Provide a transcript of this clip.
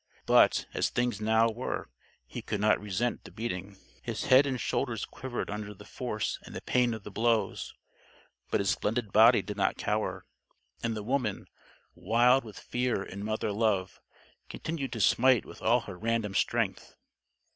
But, as things now were, he could not resent the beating. His head and shoulders quivered under the force and the pain of the blows. But his splendid body did not cower. And the woman, wild with fear and mother love, continued to smite with all her random strength.